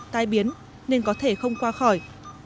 tai biến nên có thể không qua khỏi